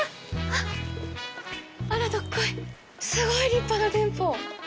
あっ、「あらどっこい」、すごい立派な店舗！